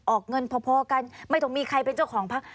ออกเงินพอกันไม่ต้องมีใครเป็นเจ้าของพัก